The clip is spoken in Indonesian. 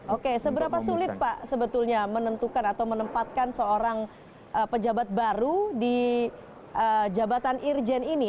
oke seberapa sulit pak sebetulnya menentukan atau menempatkan seorang pejabat baru di jabatan irjen ini